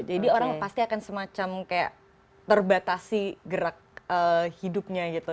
jadi orang pasti akan semacam kayak terbatasi gerak hidupnya gitu